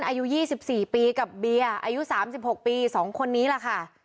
อายุ๒๔ปีกับเบียร์อายุ๓๖ปี๒คนนี้แหละค่ะ